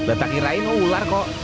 betah kirain ular kok